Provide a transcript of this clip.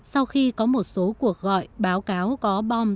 sau khi có một số cuộc gọi báo cáo có bom